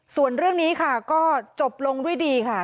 ส่วนเรื่องนี้ค่ะก็จบลงด้วยดีค่ะ